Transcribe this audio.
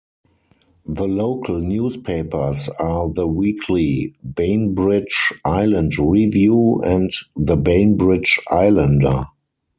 The local newspapers are the weekly "Bainbridge Island Review" and the "Bainbridge Islander".